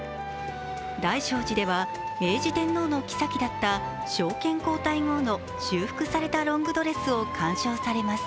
大聖寺では明治天皇の后だった昭憲皇太后の修復されたロングドレスを鑑賞されます。